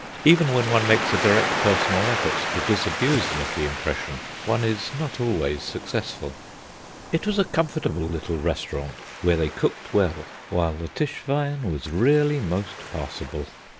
Even when one makes a direct personal effort to disabuse them of the impression one is not always successful. It was a comfortable little restaurant, where they cooked well, while the Tischwein was really most passable.